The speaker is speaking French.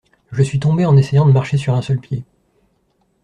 Je suis tombé en essayant de marcher sur un seul pied.